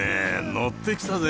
のってきたぜ！